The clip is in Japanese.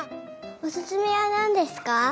おすすめはなんですか？